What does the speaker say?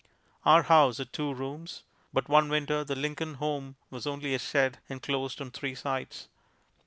Our house had two rooms, but one Winter the Lincoln home was only a shed enclosed on three sides.